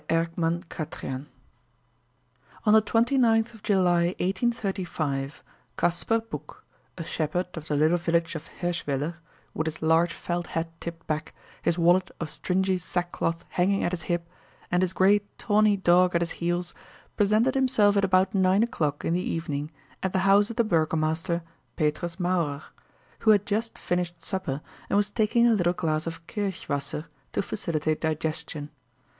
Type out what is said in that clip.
ERCKMANN CHATRIAN The Owl's Ear On the 29th of July, 1835, Kasper Boeck, a shepherd of the little village of Hirschwiller, with his large felt hat tipped back, his wallet of stringy sackcloth hanging at his hip, and his great tawny dog at his heels, presented himself at about nine o'clock in the evening at the house of the burgomaster, Petrus Mauerer, who had just finished supper and was taking a little glass of kirchwasser to facilitate digestion.